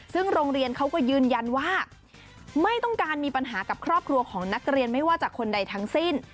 ซึ่งโรงเรียนเขาก็ยืนยันว่าไม่ต้องการมีปัญหากับครอบครัวของนักเรียนไม่ว่าจากคนใดทั้งสิ้น